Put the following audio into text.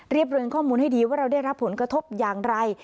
บริเวณข้อมูลให้ดีว่าเราได้รับผลกระทบอย่างไร